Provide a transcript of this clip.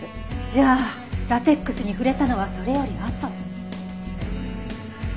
じゃあラテックスに触れたのはそれよりあと。